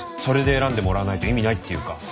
それで選んでもらわないと意味ないっていうか。